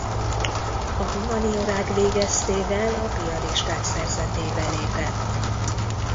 A humaniorák végeztével a piaristák szerzetébe lépett.